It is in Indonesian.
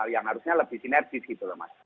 yang harusnya lebih sinergis gitu loh mas